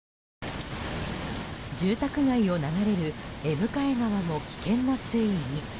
住宅街を流れる江迎川も危険な水位に。